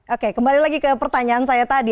oke kembali lagi ke pertanyaan saya tadi